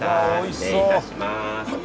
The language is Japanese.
失礼いたします。